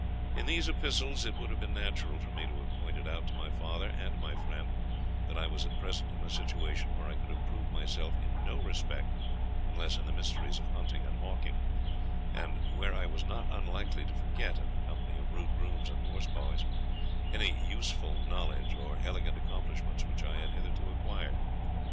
In these epistles, it would have been natural for me to have pointed out to my father and my friend, that I was at present in a situation where I could improve myself in no respect, unless in the mysteries of hunting and hawking; and where I was not unlikely to forget, in the company of rude grooms and horse boys, any useful knowledge or elegant accomplishments which I had hitherto acquired.